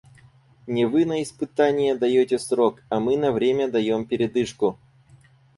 Не вы на испытание даете срок — а мы на время даем передышку.